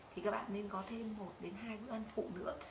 thì các bạn nên có thêm một đến hai bữa ăn phụ nữa